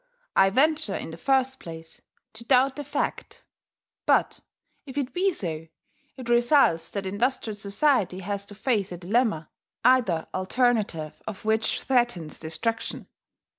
I venture, in the first place. to doubt the fact; but, if it be so, it results that industrial society has to face a dilemma, either alternative of which threatens destruction.